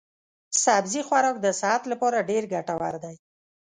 سبزي خوراک د صحت لپاره ډېر ګټور دی.